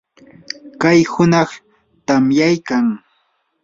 kay hunaq tamyaykan.